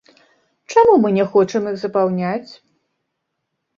Чаму мы не хочам іх запаўняць?